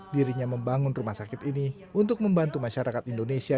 dirinya membangun rumah sakit ini untuk membantu masyarakat indonesia